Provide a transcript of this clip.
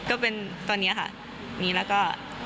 ก็เป็นตอนนี้ค่ะมีแล้วก็